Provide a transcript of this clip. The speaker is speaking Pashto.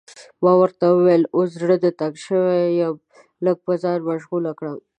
ما ورته وویل اوس زړه تنګ شوی یم، لږ به ځان مشغول کړم.